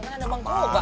kan ada bang kobar